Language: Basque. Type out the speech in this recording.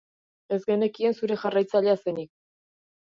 Ez genekien zure jarraitzailea zenik.